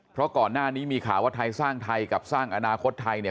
เพราะก่อนหน้านี้มีข่าวว่าไทยสร้างไทยกับสร้างอนาคตไทยเนี่ย